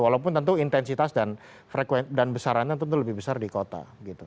walaupun tentu intensitas dan frekuensi dan besarannya tentu lebih besar di kota